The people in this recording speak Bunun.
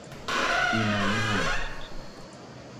Tina nak